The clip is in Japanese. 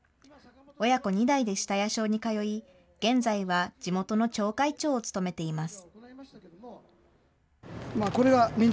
親子２代で下谷小に通い、現在は地元の町会長を務めています。